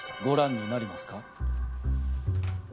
ご覧になりますか？